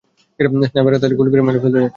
স্নাইপাররা তাদেরকে গুলি করে মেরে ফেলতে যাচ্ছে।